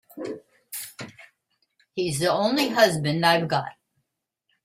He's the only husband I've got.